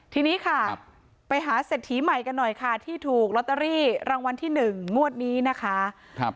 ทีนี้ค่ะไปหาเศรษฐีใหม่กันหน่อยค่ะที่ถูกลอตเตอรี่รางวัลที่๑งวดนี้นะคะ